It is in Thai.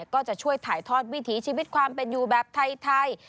ก็จะช่วยถ่ายทอดวิถีชีวิตความเป็นอยู่แบบไทย